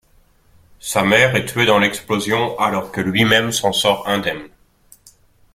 Sa mère est tuée dans l'explosion alors que lui-même s'en sort indemne.